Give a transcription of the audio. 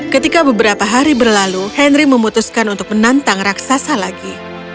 ketika beberapa hari berlalu henry memutuskan untuk menantang raksasa lagi